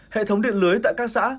hệ thống điện lưới tại các xã